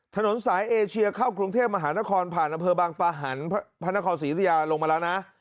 ถนนสายเอเชียเข้ากรุงเทพมหานครผ่านอำเภอบางปะหันพระนครศรีอุทยาลงมาแล้วนะ